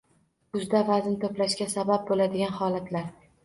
Kuzda vazn to‘plashga sabab bo‘ladigan holatlar